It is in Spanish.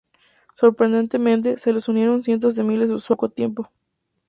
Sorprendentemente, se les unieron cientos de miles de usuarios en poco tiempo.